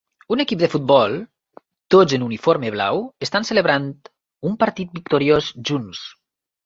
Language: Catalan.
Un equip de futbol, tots en uniforme blau, estan celebrant un partit victoriós junts.